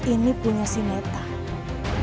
tante aku mau ke rumah tante